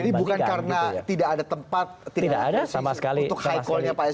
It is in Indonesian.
jadi bukan karena tidak ada tempat untuk high call nya pak sby